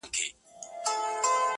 خلک غوټۍ ته روڼي شپې کړي،